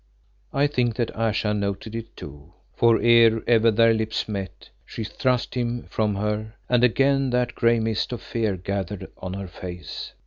I think that Ayesha noted it too, for ere ever their lips met, she thrust him from her and again that grey mist of fear gathered on her face.